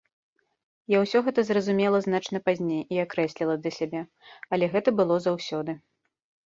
Я ўсё гэта зразумела значна пазней і акрэсліла для сябе, але гэта было заўсёды.